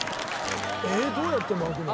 えーっどうやって巻くの？